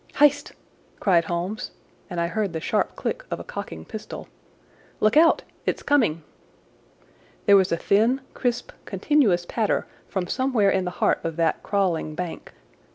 "Hist!" cried Holmes, and I heard the sharp click of a cocking pistol. "Look out! It's coming!" There was a thin, crisp, continuous patter from somewhere in the heart of that crawling bank.